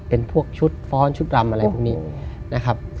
เป็นพวกชุดฟ้อนชุดรำอะไรพวกนี้นะครับ